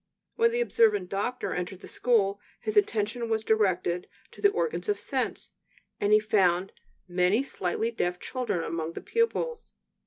When the observant doctor entered the school, his attention was directed to the organs of sense, and he found many slightly deaf children among the pupils.